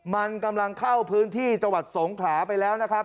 มันกำลังเข้าพื้นที่จังหวัดสงขลาไปแล้วนะครับ